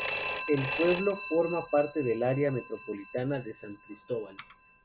El pueblo forma parte del área metropolitana de San Cristóbal.